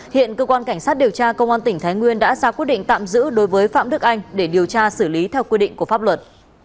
hiện cơ quan cảnh sát điều tra công an tỉnh thái nguyên đã ra quyết định tạm giữ đối với phạm đức anh để điều tra xử lý theo quy định của pháp luật